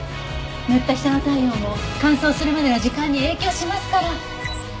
塗った人の体温も乾燥するまでの時間に影響しますから。